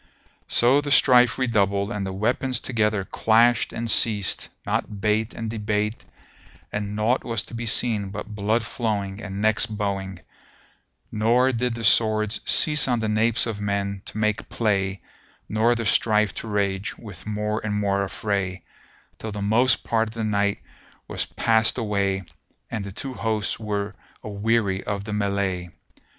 So the strife redoubled and the weapons together clashed and ceased not bate and debate and naught was to be seen but blood flowing and necks bowing; nor did the swords cease on the napes of men to make play nor the strife to rage with more and more affray, till the most part of the night was past away and the two hosts were aweary of the mellay.